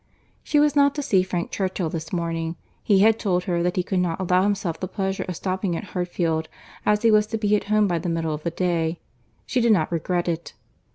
She was not to see Frank Churchill this morning. He had told her that he could not allow himself the pleasure of stopping at Hartfield, as he was to be at home by the middle of the day. She did not regret it.